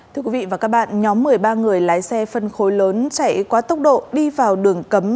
thưa quý vị và các bạn nhóm một mươi ba người lái xe phân khối lớn chạy quá tốc độ đi vào đường cấm